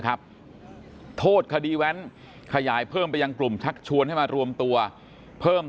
โทษคดีแว้นขยายเพิ่มไปยังกลุ่มชักชวนให้มารวมตัวเพิ่ม